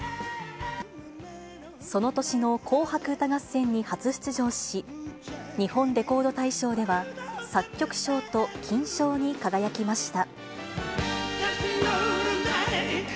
その年の紅白歌合戦に初出場し、日本レコード大賞では作曲賞と金賞に輝きました。